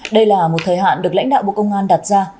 đây là một thời hạn được lãnh đạo bộ công an đặt ra